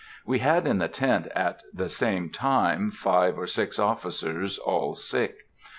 We had in the tent at the same time five or six officers, all sick.